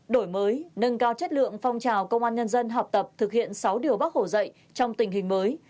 đổi mới nâng cao chất lượng phong trào công an nhân dân học tập thực hiện sáu điều bác hồ dạy trong tình hình mới